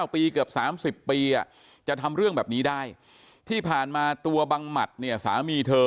ปีเกือบ๓๐ปีจะทำเรื่องแบบนี้ได้ที่ผ่านมาตัวบังหมัดเนี่ยสามีเธอ